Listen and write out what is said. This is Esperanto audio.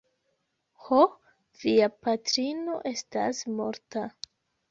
Ho, via patrino estas morta.